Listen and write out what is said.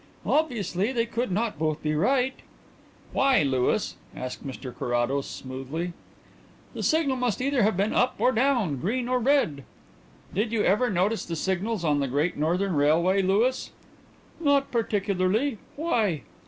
Obviously, they could not both be right." "Why, Louis?" asked Mr Carrados smoothly. "The signal must either have been up or down red or green." "Did you ever notice the signals on the Great Northern Railway, Louis?" "Not particularly. Why?"